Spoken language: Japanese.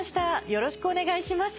よろしくお願いします。